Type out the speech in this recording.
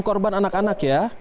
korban anak anak ya